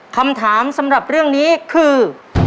คำถามสำหรับเรื่องนี้คือ